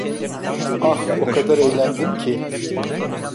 Ah, o kadar eğlendim ki!